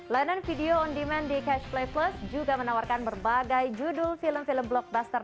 layanan video on demand di catch play plus juga menawarkan berbagai judul film film blockbuster